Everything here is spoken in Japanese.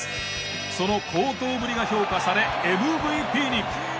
その好投ぶりが評価されＭＶＰに。